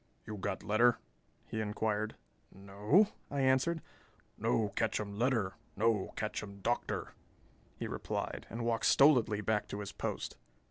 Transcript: "You got letter?" he inquired. "No," I answered. "No ketchum letter, no ketchum Doctor," he replied, and walked stolidly back to his post.